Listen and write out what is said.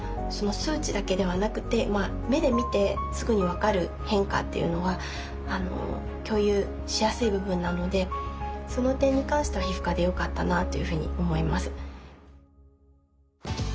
数値だけではなくて目で見てすぐに分かる変化っていうのは共有しやすい部分なのでその点に関しては皮膚科でよかったなというふうに思います。